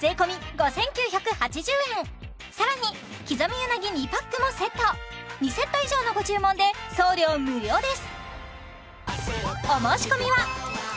５９８０円更に刻みうなぎ２パックもセット２セット以上のご注文で送料無料です